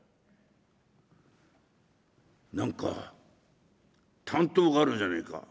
「何か短刀があるじゃねえか」。